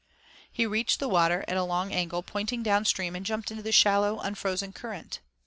He reached the water at a long angle pointing down stream and jumped into the shallow, unfrozen current.